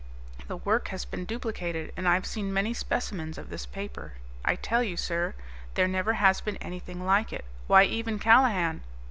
"The work has been duplicated, and I've seen many specimens of this paper. I tell you, sir, there never has been anything like it. Why, even Callahan